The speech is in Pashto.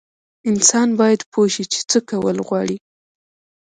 انسان باید پوه شي چې څه کول غواړي.